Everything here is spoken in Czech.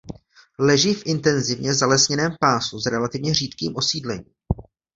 Leží v intenzivně zalesněném pásu s relativně řídkým osídlením.